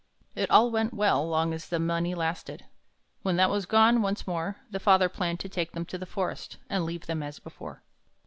It all went well long as the money lasted. When that was gone, once more The father planned to take them to the forest, And leave them as before.